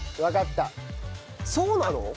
そうなの？